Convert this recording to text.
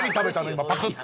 今パクッて。